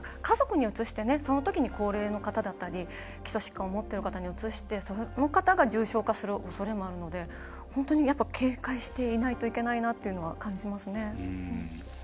家族にうつしてそのときに高齢の方だったり基礎疾患を持っている方にうつしてその方が重症化するおそれもあるので本当に警戒していないといけないなというのは感じますね。